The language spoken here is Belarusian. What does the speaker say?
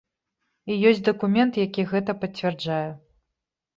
І ёсць дакумент, які гэта пацвярджае.